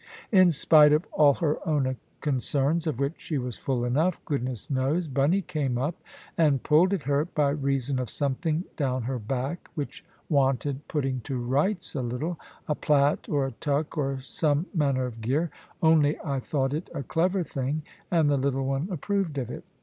In spite of all her own concerns (of which she was full enough, goodness knows), Bunny came up, and pulled at her, by reason of something down her back, which wanted putting to rights a little a plait, or a tuck, or some manner of gear; only I thought it a clever thing, and the little one approved of it.